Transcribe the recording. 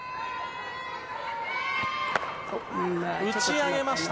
打ち上げました。